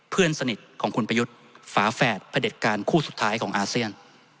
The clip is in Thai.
เพื่อนสนิทของคุณประยุทธ์ฝาแฝดพระเด็จการคู่สุดท้ายของอาเซียน